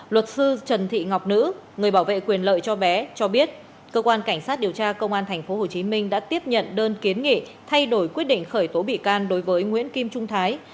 luật sư trần thị ngọc nữ người bảo vệ quyền lợi cho bé cho biết cơ quan cảnh sát điều tra công an tp hcm đã tiếp nhận đơn kiến nghị thay đổi quyết định khởi tố bị can đối với nguyễn kim trung thái